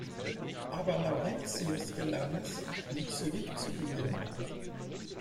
Aber Laurentius gelang es, ihn zurückzugewinnen.